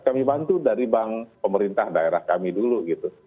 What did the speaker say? kami bantu dari bank pemerintah daerah kami dulu gitu